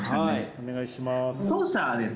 お願いします。